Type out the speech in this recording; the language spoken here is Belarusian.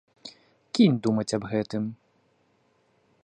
Кінь думаць аб гэтым.